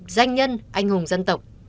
danh nhân anh hùng dân tộc